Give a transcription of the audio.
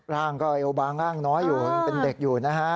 ร่างก็เอวบางร่างน้อยอยู่ยังเป็นเด็กอยู่นะฮะ